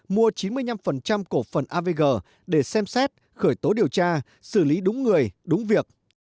mua chín mươi năm cổ phần avg để xem xét khởi tố điều tra xử lý đúng người đúng việc